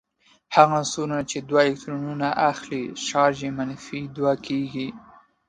هغه عنصرونه چې دوه الکترونونه اخلې چارج یې منفي دوه کیږي.